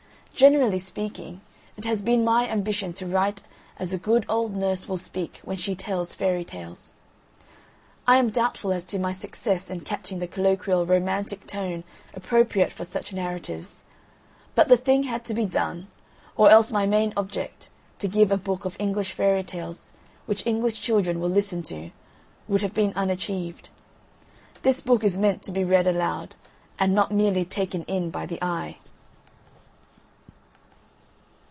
Generally speaking, it has been my ambition to write as a good old nurse will speak when she tells Fairy Tales. I am doubtful as to my success in catching the colloquial romantic tone appropriate for such narratives, but the thing had to be done or else my main object, to give a book of English Fairy Tales which English children will listen to, would have been unachieved. This book is meant to be read aloud, and not merely taken in by the eye.